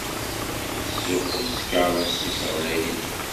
Yettzuxxu s tkeṛṛust-is ɣlayen.